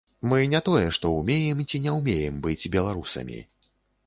Мы не тое, што ўмеем ці не ўмеем быць беларусамі.